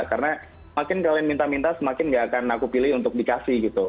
karena makin kalian minta minta semakin nggak akan aku pilih untuk dikasih gitu